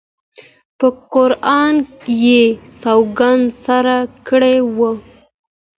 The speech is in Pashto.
په قرآن یې سوګند سره کړی وو.